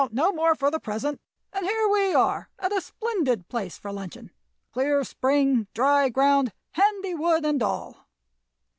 Now, no more for the present, and here we are at a splendid place for luncheon clear spring, dry ground, handy wood, and all."